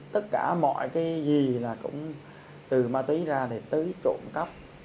tất cả mọi cái gì là cũng từ ma túy ra thì tới trộm cắp